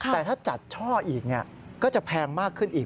แต่ถ้าจัดช่ออีกก็จะแพงมากขึ้นอีก